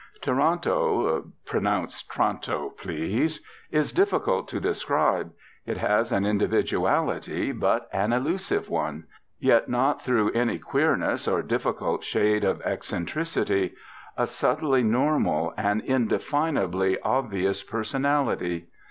Toronto (pronounce T'ranto, please) is difficult to describe. It has an individuality, but an elusive one; yet not through any queerness or difficult shade of eccentricity; a subtly normal, an indefinably obvious personality.